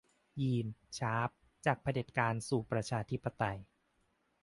ยีน ชาร์ป - จากเผด็จการสู่ประชาธิปไตย